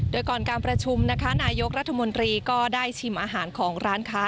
โดยก่อนการประชุมนะคะนายกรัฐมนตรีก็ได้ชิมอาหารของร้านค้า